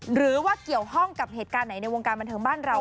หรือว่าเกี่ยวข้องกับเหตุการณ์ไหนในวงการบันเทิงบ้านเรา